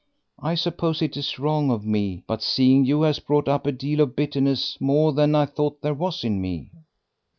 "I suppose it is wrong of me, but seeing you has brought up a deal of bitterness, more than I thought there was in me."